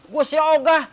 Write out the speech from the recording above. gue si ogah